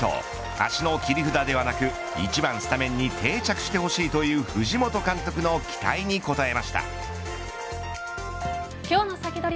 足の切り札ではなく、１番スタメンに定着してほしいという今日のサキドリ！